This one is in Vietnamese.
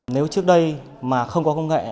nếu trước đây mà không có công nghệ thông tin